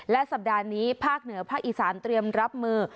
และสัปดาห์นี้ภาคเหนือภาคอีสานเตรียมรับมือ